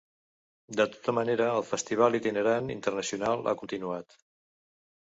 De tota manera, el festival itinerant internacional ha continuat.